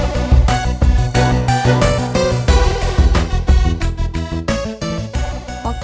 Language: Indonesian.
istri ibu dada dan anak apa voice